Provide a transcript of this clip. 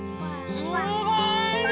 すごいね！